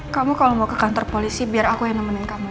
kamu kalau mau ke kantor polisi biar aku yang nemenin kamu